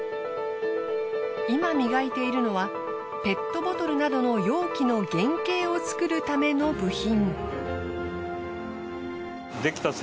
今磨いているのはペットボトルなどの容器の原型を作るための部品。